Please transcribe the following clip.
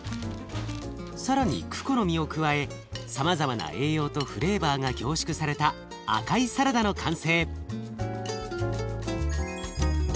更にクコの実を加えさまざまな栄養とフレーバーが凝縮された赤いサラダの完成。